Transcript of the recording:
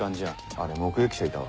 あれ目撃者いたわ。